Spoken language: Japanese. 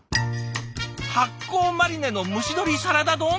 発酵マリネの蒸し鶏サラダ丼？